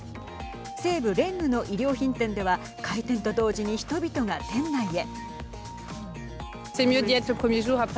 西部レンヌの衣料品店では開店と同時に人々が店内へ。